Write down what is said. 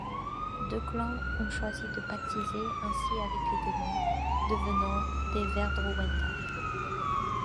Deux clans ont choisi de pactiser ainsi avec les démons, devenant des Ver'drowendar.